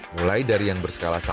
mulai dari yang berskala satu x empat